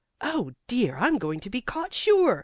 "Oh, dear; I'm going to be caught, sure!"